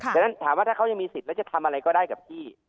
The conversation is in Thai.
ดังนั้นถามว่าถ้าเขายังมีสิทธิ์แล้วจะทำอะไรก็ได้กับพี่